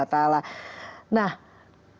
kita bisa mendapatkan